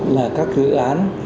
là các dự án